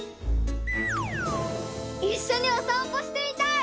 いっしょにおさんぽしてみたい！